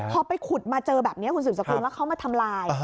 พอไปขุดมาเจอแบบนี้คุณสืบสกุลแล้วเขามาทำลาย